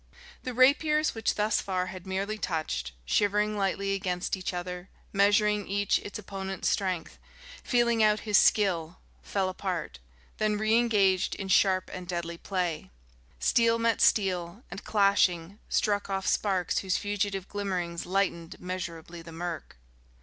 The rapiers which thus far had merely touched, shivering lightly against each other, measuring each its opponent's strength, feeling out his skill, fell apart, then re engaged in sharp and deadly play. Steel met steel and, clashing, struck off sparks whose fugitive glimmerings lightened measurably the murk....